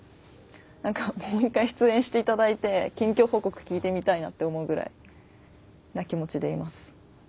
何かもう一回出演していただいて近況報告聞いてみたいなって思うぐらいな気持ちでいます。